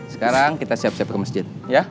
sekarang kita siap siap ke masjid